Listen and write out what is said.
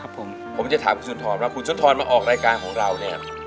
ผมผมจะถามคุณสุนทรว่าคุณสุนทรมาออกรายการของเราเนี่ย